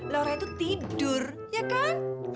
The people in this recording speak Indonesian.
laura itu tidur ya kan